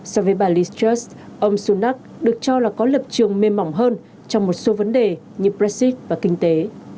so với bà listraz ông sunak được cho là có lập trường mềm mỏng hơn trong một số vấn đề như brexit và kinh tế